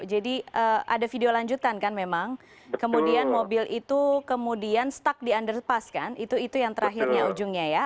jadi ada video lanjutan kan memang kemudian mobil itu kemudian stuck di underpass kan itu yang terakhirnya ujungnya ya